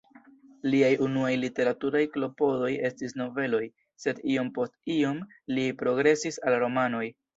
Liaj unuaj literaturaj klopodoj estis noveloj, sed iom post iom li progresis al romanoj.